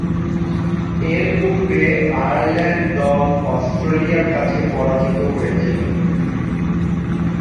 এরপূর্বে আয়ারল্যান্ড দল অস্ট্রেলিয়ার কাছে পরাজিত হয়েছিল।